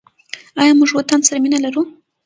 آیا موږ وطن سره مینه لرو؟